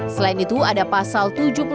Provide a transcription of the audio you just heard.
selain itu ada pasal tujuh puluh enam